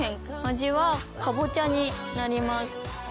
味はかぼちゃになります。